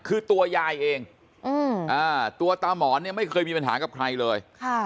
คือตัวยายเองตัวตามรไม่เคยมีปัญหากับใครเลย